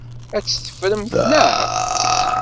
Ad tt-teffremt, naɣ?